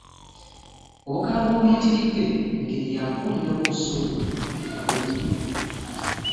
Obukambwe obuyitiridde ngeri ya kuwuliramu busungu na bwennyamivu.